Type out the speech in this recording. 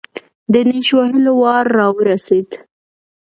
د نېش وهلو وار راورسېد.